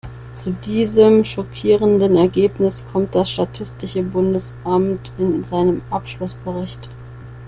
Zu diesem schockierenden Ergebnis kommt das statistische Bundesamt in seinem Abschlussbericht.